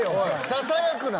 ささやくな。